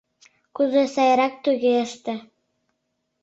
— Кузе сайрак, туге ыште.